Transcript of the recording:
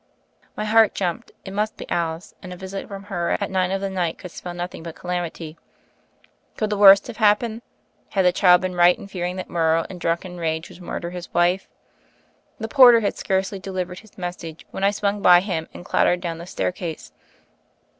My heart jumped. It must be Alice, and a visit from her at nine of the night could spell nothing but calamity. Could the worst have happened ? Had the child been right in fearing that Morrow in drunken rage would murder his wife? The porter had scarcely delivered his message, when I swung by him and clattered down the staircase.